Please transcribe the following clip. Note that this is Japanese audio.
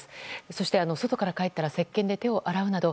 そして、外から帰ったら石けんで手を洗うなど